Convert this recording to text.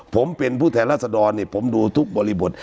ผมเป็นผู้แทนรัศดรผมดูทุกบริบท